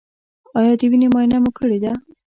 ایا د وینې معاینه مو کړې ده؟